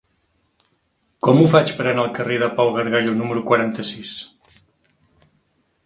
Com ho faig per anar al carrer de Pau Gargallo número quaranta-sis?